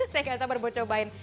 saya gak sabar buat cobain